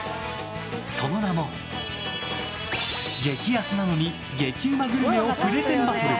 その名も、激安なのに激うまグルメをプレゼンバトル！